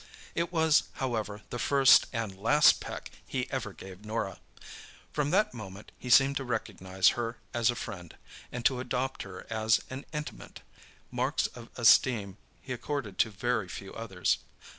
It was, however, the first and last peck he ever gave Norah. From that moment he seemed to recognize her as a friend, and to adopt her as an intimate—marks of esteem he accorded to very few others.